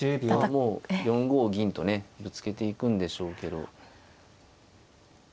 もう４五銀とねぶつけていくんでしょうけど。